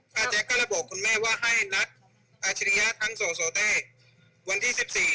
บางทีต้องเลยแจ็คก็เรอะบอกว่าให้อาชิดิยะทั้งโสโต๊ะวันที่๑๔